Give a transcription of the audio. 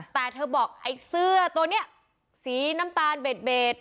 แต่เธอบอกไอ้เสื้อตัวนี้สีน้ำตาลเบส